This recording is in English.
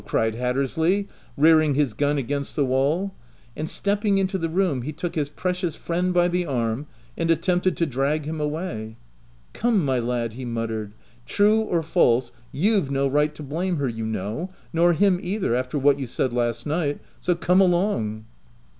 cried Hattersley, rearing his gun against the wall ; and, stepping into the room, he took his precious friend by the arm, and attempted to drag him away. " Come, my lad/' he muttered ;" true or false, you've no right to blame her, you know — nor him either; after what you said last night. So come along.'